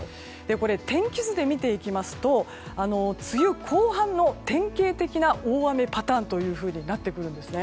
天気図で見ていきますと梅雨後半の典型的な大雨パターンとなってくるんですね。